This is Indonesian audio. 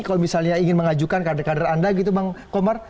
kalau misalnya ingin mengajukan kader kader anda gitu bang komar